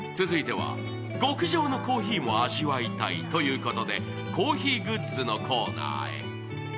続いては極上のコーヒーも味わいたいということでコーヒーグッズのコーナーへ。